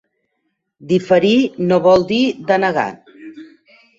Diferit no vol dir denegat.